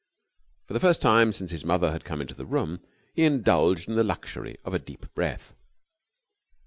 For the first time since his mother had come into the room he indulged in the luxury of a deep breath.